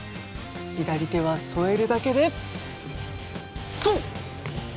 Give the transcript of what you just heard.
左手は添えるだけでとう！